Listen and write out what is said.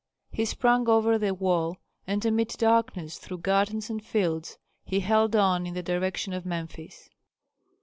He sprang over the wall, and amid darkness through gardens and fields he held on in the direction of Memphis.